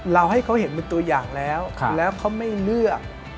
ให้เขาเห็นเป็นตัวอย่างแล้วแล้วเขาไม่เลือก